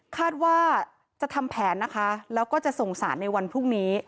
คาดว่าจะทำแผนนะคะแล้วก็จะส่งสารในวันพรุ่งนี้